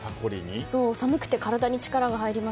寒くて体に力が入ります。